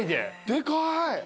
でかい！